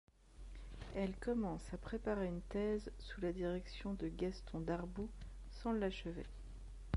Elle commence à préparer une thèse sous la direction de Gaston Darboux sans l'achever.